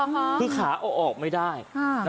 อ๋อฮะคือขาออกออกไม่ได้อ่า